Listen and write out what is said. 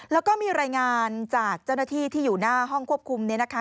แล้วก็มีรายงานจากเจ้าหน้าที่ที่อยู่หน้าห้องควบคุมเนี่ยนะคะ